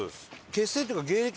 結成っていうか。